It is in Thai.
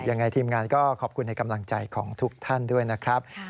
ยังไงทีมงานก็ขอบคุณในกำลังใจของทุกท่านด้วยนะครับ